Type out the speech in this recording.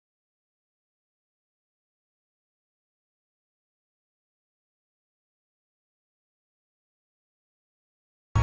bella kamu dimana bella